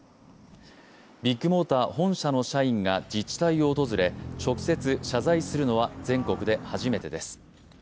ビッグモーター本社の社員が自治体を訪れ、直接謝罪するのは全国で初めてです。